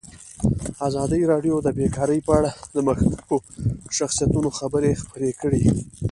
ازادي راډیو د بیکاري په اړه د مخکښو شخصیتونو خبرې خپرې کړي.